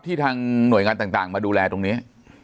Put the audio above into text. ทางหน่วยงานต่างมาดูแลตรงนี้